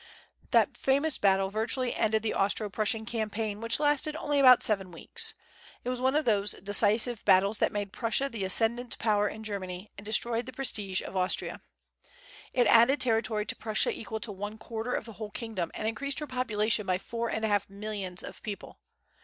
That famous battle virtually ended the Austro Prussian campaign, which lasted only about seven weeks. It was one of those "decisive battles" that made Prussia the ascendent power in Germany, and destroyed the prestige of Austria. It added territory to Prussia equal to one quarter of the whole kingdom, and increased her population by four and a half millions of people.